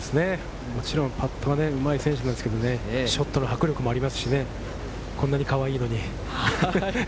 もちろんパットはうまい選手なんですけど、ショットの迫力もありますしね、こんなにかわいいのに。